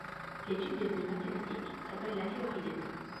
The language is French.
L'étude des nœuds mathématiques s'appelle la théorie des nœuds.